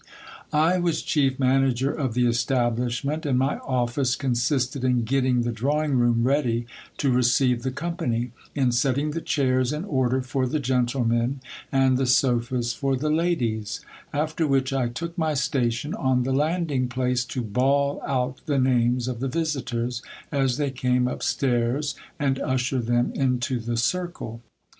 I was chief manager of the establishment, and my office consisted in getting the drawing room ready to receive the company, in setting the chairs in order for the gentlemen, and the sofas for the ladies : after which I took my station on the landing place to bawl out the names of the visitors as they came up stairs, and usher them into the circle.